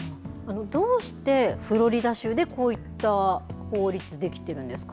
どうしてフロリダ州でこういった法律、できてるんですか。